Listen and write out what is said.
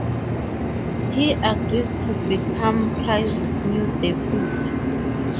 He agrees to become Price's new deputy.